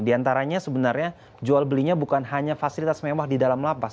di antaranya sebenarnya jual belinya bukan hanya fasilitas mewah di dalam lapas